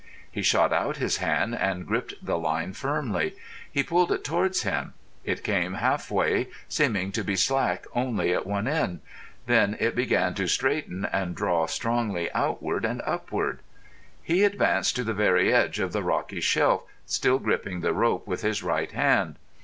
He shot out his hand and gripped the line firmly. He pulled it towards him. It came half way, seeming to be slack only at one end; then it began to straighten and draw strongly outward and upward. He advanced to the very edge of the rocky shelf, still gripping the rope with his right hand.